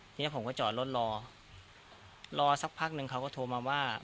ทีนี้ผมก็จอดรถรอรอสักพักหนึ่งเขาก็โทรมาว่า